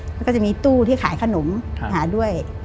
มันก็จะมีตู้ที่ขายขนมหาด้วย